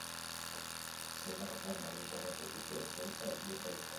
Zenbait lan argitaratu zituen zientzia-aldizkarietan.